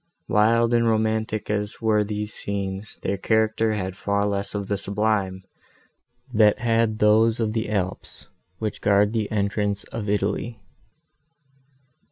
Wild and romantic as were these scenes, their character had far less of the sublime, that had those of the Alps, which guard the entrance of Italy.